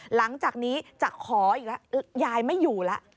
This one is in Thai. หลังจากนี้จะขออีกแล้วยายไม่อยู่แล้ว